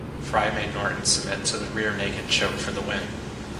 Frye made Norton submit to the rear naked choke for the win.